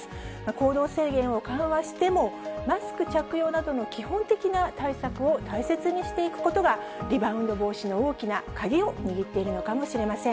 行動制限を緩和しても、マスク着用などの基本的な対策を大切にしていくことがリバウンド防止の大きな鍵を握っているのかもしれません。